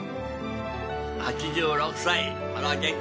８６歳。